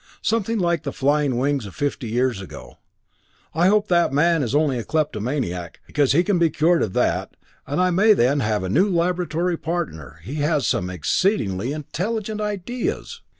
Something like the flying wings of fifty years ago. I hope that man is only a kleptomaniac, because he can be cured of that, and I may then have a new laboratory partner. He has some exceedingly intelligent ideas!